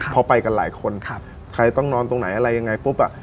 พอไปกันหลายคนใครต้องนอนตรงไหนอะไรยังไงปุ๊บอ่ะ